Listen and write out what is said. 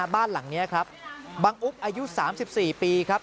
บ้านหลังนี้ครับบังอุ๊บอายุ๓๔ปีครับ